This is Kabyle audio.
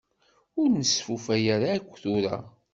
Ur nestufa ara akk tura.